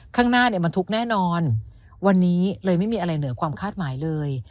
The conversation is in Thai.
ข้างหน้าเนี่ยมันทุกข์แน่นอนวันนี้เลยไม่มีอะไรเหนือความคาดหมายเลย